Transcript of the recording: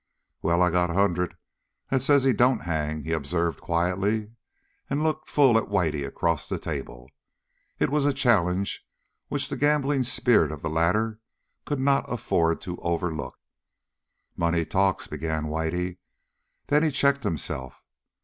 "Well, I got a hundred that says he don't hang," he observed quietly and looked full at Whitey across the table. It was a challenge which the gambling spirit of the latter could not afford to overlook. "Money talks," began Whitey, then he checked himself.